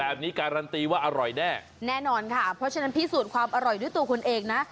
แบบนี้การันตีว่าอร่อยแน่แน่นอนค่ะเพราะฉะนั้นพิสูจน์ความอร่อยด้วยตัวคุณเองนะ